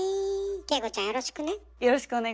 景子ちゃんよろしくね。